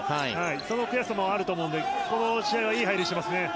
その悔しさもあると思うのでこの試合はいい入りをしていますね。